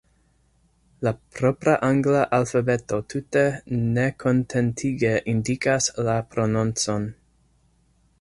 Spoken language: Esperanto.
La propra angla alfabeto tute nekontentige indikas la prononcon.